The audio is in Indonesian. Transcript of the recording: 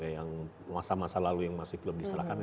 yang masa masa lalu yang masih belum diserahkan